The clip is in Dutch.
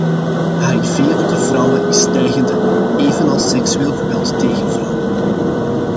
Hiv onder vrouwen is stijgende evenals seksueel geweld tegen vrouwen.